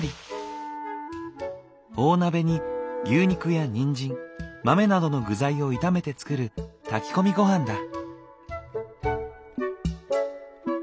大鍋に牛肉やニンジン豆などの具材を炒めて作る炊き込みごはんだ。